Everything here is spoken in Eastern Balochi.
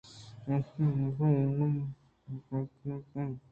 برف ءِ موسم ءَ آ دم برائینتگ اَت